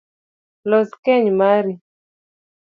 Los keny mari